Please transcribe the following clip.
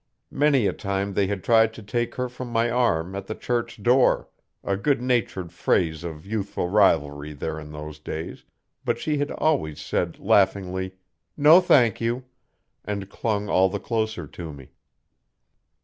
Many a time they had tried to take her from my arm at the church door a good natured phase of youthful rivalry there in those days but she had always said, laughingly, 'No, thank you,' and clung all the closer to me.